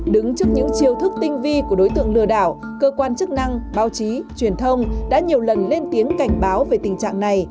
đứng trước những chiêu thức tinh vi của đối tượng lừa đảo cơ quan chức năng báo chí truyền thông đã nhiều lần lên tiếng cảnh báo về tình trạng này